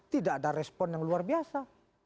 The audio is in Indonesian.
tidak ada respon yang luar biasa